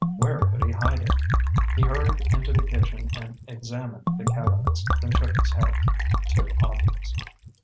Where could he hide it? He hurried into the kitchen and examined the cabinets, then shook his head. Too obvious.